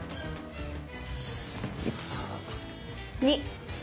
１！２！